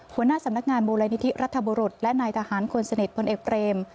หัวหน้าสำนักงานมูลนิธิรัฐบุรุษและนายทหารคนสนิทพลเอกเบรม